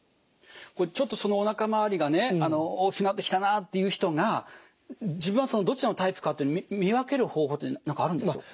ちょっとおなか周りがね大きくなってきたなっていう人が自分はどちらのタイプかって見分ける方法って何かあるんですか？